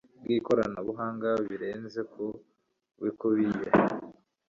bw ikoranabuhanga birenze ku bikubiye